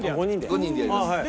５人でやります。